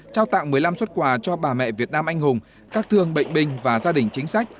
trao tặng một mươi năm xuất quà cho bà mẹ việt nam anh hùng các thương bệnh binh và gia đình chính sách